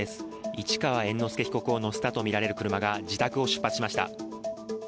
市川猿之助被告を乗せたとみられる車が自宅を出発しました。